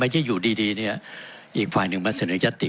ที่อยู่ดีเนี่ยอีกฝ่ายหนึ่งมาเสนอยัตติ